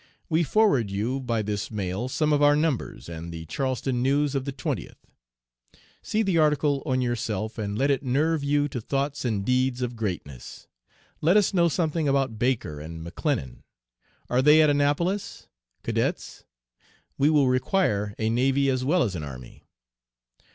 We forward you by this mail some of our numbers and the Charleston News of the 20th. See the article on yourself, and let it nerve you to thoughts and deeds of greatness. Let us know something about Baker and McClennan. Are they at Annapolis? Cadets? (We will require a navy as well as an army.)